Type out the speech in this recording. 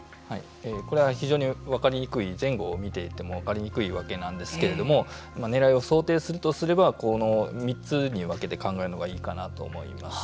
これは非常に分かりにくい前後を見ていても分かりにくいわけなんですけれどもねらいを想定するとすればこの３つに分けて考えるのがいいのかなと思います。